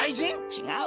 ちがうよ。